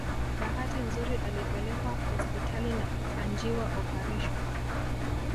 Bahati nzuri alipelekwa hospitali na kufanjiwa operation